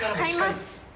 買います。